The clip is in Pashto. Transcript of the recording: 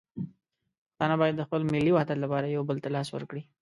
پښتانه باید د خپل ملي وحدت لپاره یو بل ته لاس ورکړي.